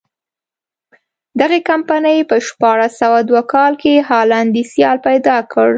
دغې کمپنۍ په شپاړس سوه دوه کال کې هالنډی سیال پیدا کړ.